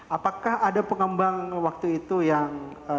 apakah ada pengembang waktu itu yang